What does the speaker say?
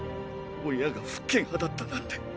親が復権派だったなんて。